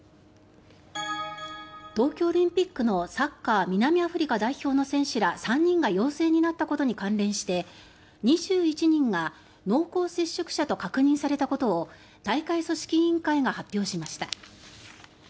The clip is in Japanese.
東京オリンピックのサッカー南アフリカ代表の選手ら３人が陽性になったことに関連して２１人が濃厚接触者と確認されたことを大会組織委員会が発表しました。